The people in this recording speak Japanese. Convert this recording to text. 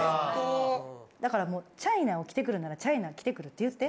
だからチャイナを着てくるならチャイナを着てくるって言って。